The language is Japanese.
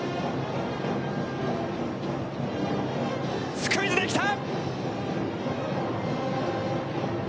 スクイズできた！